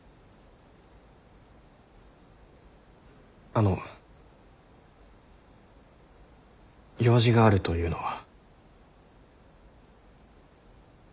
あの用事があるというのは？